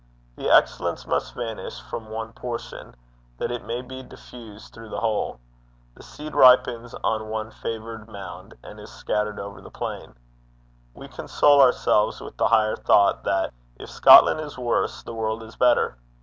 The excellence must vanish from one portion, that it may be diffused through the whole. The seed ripens on one favoured mound, and is scattered over the plain. We console ourselves with the higher thought, that if Scotland is worse, the world is better.